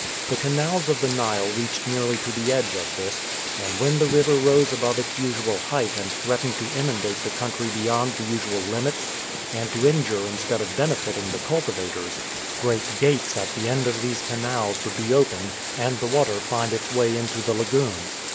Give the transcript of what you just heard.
The canals of the Nile reached nearly to the edge of this, and when the river rose above its usual height and threatened to inundate the country beyond the usual limits, and to injure instead of benefiting the cultivators, great gates at the end of these canals would be opened, and the water find its way into the lagoon.